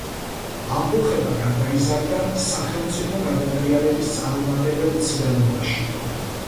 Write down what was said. ამბოხება გადაიზარდა სახელმწიფო გადატრიალების წარუმატებელ მცდელობაში.